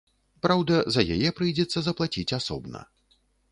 Праўда, за яе прыйдзецца заплаціць асобна.